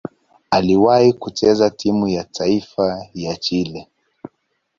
Aliwahi kucheza timu ya taifa ya Chile.